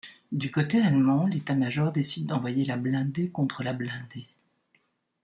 Du côté allemand, l'état-major décide d'envoyer la blindée contre la blindée.